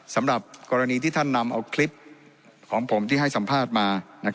สำหรับกรณีที่ท่านนำเอาคลิปของผมที่ให้สัมภาษณ์มา